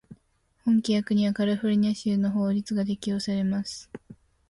本規約にはカリフォルニア州の法律が適用されます。